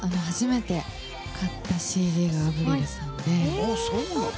初めて買ったＣＤがアヴリルさんで。